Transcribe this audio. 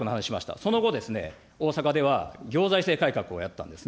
その後、大阪では、行財政改革をやったんですね。